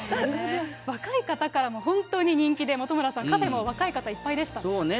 若い方からも本当に人気で、本村さん、カフェも若い方、いっそうね。